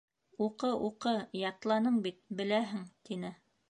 — Уҡы, уҡы, ятланың бит, беләһең, — тине.